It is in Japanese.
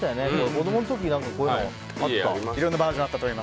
子供の時、こういうのあった。